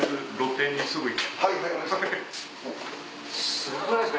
すごくないですか？